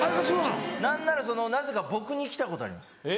何ならなぜか僕に来たことあります。